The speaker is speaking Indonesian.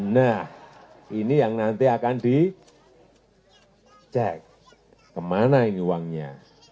nah ini yang nanti akan dicek kemana ini uangnya